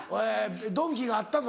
ドンキがあったか？